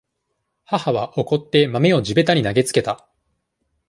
母は、怒って、豆を地べたに投げつけた。